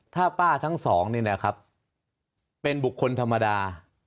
ถ้าป้าทั้งสองนี่นะครับเป็นบุคคลธรรมดา